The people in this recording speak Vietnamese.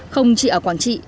không chỉ ở quảng trị